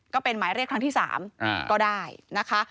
ก็เป็นหมายเรียกครั้งที่๓ก็ได้นะคะ